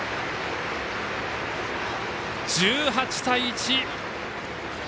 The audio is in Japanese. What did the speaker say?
１８対１。